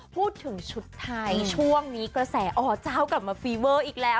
พูดถึงชุดไทยช่วงนี้กระแสอเจ้ากลับมาฟีเวอร์อีกแล้ว